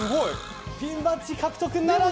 ピンバッジ獲得ならず。